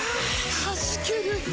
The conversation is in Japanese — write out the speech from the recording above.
はじけるっ！！